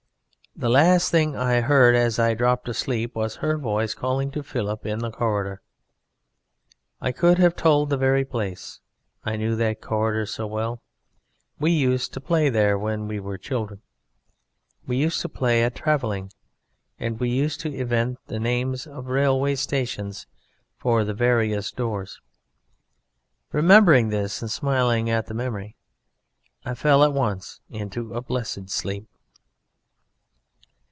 "The last thing I heard as I dropped asleep was her voice calling to Philip in the corridor. I could have told the very place. I knew that corridor so well. We used to play there when we were children. We used to play at travelling, and we used to invent the names of railway stations for the various doors. Remembering this and smiling at the memory, I fell at once into a blessed sleep.